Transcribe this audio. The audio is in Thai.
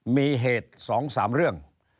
มีเหตุ๒๓เรื่อง